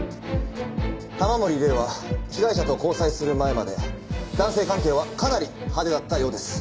玉森玲は被害者と交際する前まで男性関係はかなり派手だったようです。